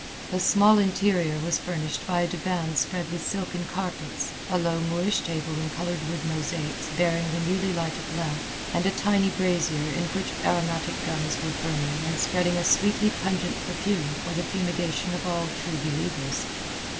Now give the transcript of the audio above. The small interior was furnished by a divan spread with silken carpets, a low Moorish table in coloured wood mosaics bearing the newly lighted lamp, and a tiny brazier in which aromatic gums were burning and spreading a sweetly pungent perfume for the fumigation of all True Believers.